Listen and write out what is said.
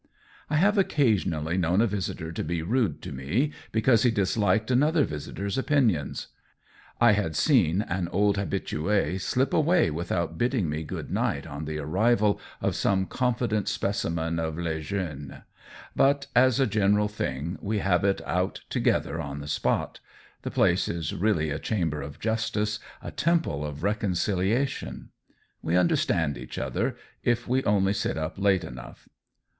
COLLABORATION iqi I have occasionally known a visitor to be rude to me because he disliked another vis itor's opinions — I had seen an old habitud slip away without bidding me good night on the arrival of some confident specimen of les jeunes; but as a general thing we have it out together on the spot — the place is really a chamber of justice, a temple of reconcilia tion : we understand each other, if we only sit up late enough.